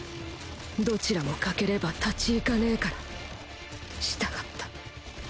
どちらも欠ければ立ち行かねぇから従った。